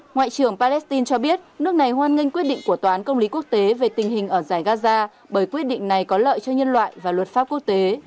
ngoại trưởng palestine cho biết nước này hoan nghênh quyết định của tòa án công lý quốc tế về tình hình ở giải gaza bởi quyết định này có lợi cho nhân loại và luật pháp quốc tế